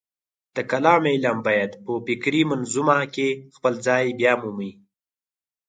د کلام علم باید په فکري منظومه کې خپل ځای بیامومي.